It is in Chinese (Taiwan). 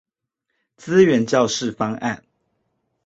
資源教室方案